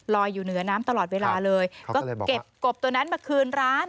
อยู่เหนือน้ำตลอดเวลาเลยก็เก็บกบตัวนั้นมาคืนร้าน